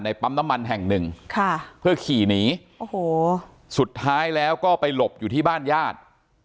ปั๊มน้ำมันแห่งหนึ่งค่ะเพื่อขี่หนีโอ้โหสุดท้ายแล้วก็ไปหลบอยู่ที่บ้านญาติ